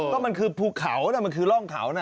ก็มันคือภูเขานะมันคือร่องเขานะ